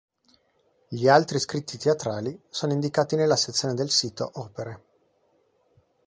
Gli altri scritti teatrali sono indicati nella sezione del sito "opere".